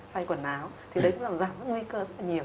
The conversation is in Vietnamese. phay quần áo thì đấy cũng giảm ra nguy cơ rất là nhiều